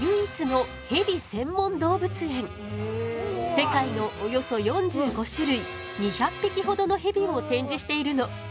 世界のおよそ４５種類２００匹ほどのヘビを展示しているの。